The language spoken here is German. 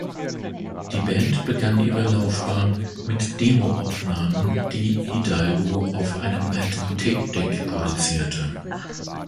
Die Band begann ihre Laufbahn mit Demo-Aufnahmen, die Hidalgo auf einem alten Tape-Deck produzierte.